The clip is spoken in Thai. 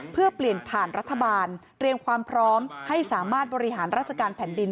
เพื่อเปลี่ยนผ่านรัฐบาลเตรียมความพร้อมให้สามารถบริหารราชการแผ่นดิน